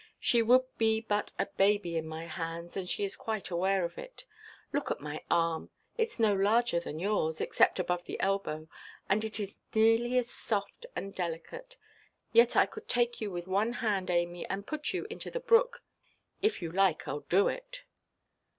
She would be but a baby in my hands, and she is quite aware of it. Look at my arm; itʼs no larger than yours, except above the elbow, and it is nearly as soft and delicate. Yet I could take you with one hand, Amy, and put you into the brook. If you like, Iʼll do it."